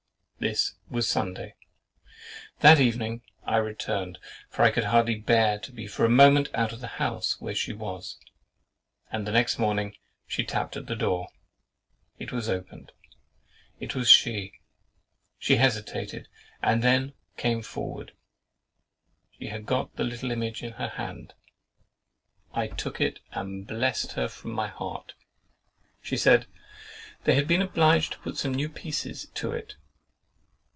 This was Sunday. That evening I returned, for I could hardly bear to be for a moment out of the house where she was, and the next morning she tapped at the door—it was opened—it was she—she hesitated and then came forward: she had got the little image in her hand, I took it, and blest her from my heart. She said "They had been obliged to put some new pieces to it."